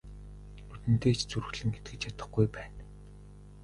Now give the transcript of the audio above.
Нүдэндээ ч зүрхлэн итгэж чадахгүй байна.